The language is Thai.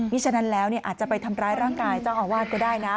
ฉะนั้นแล้วอาจจะไปทำร้ายร่างกายเจ้าอาวาสก็ได้นะ